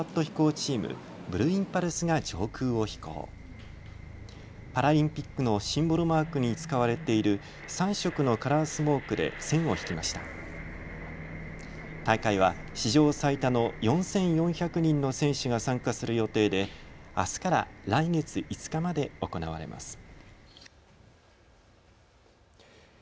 大会は史上最多の４４００人の選手が参加する予定であすから来月５日まで行われます。